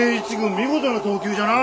見事な投球じゃな。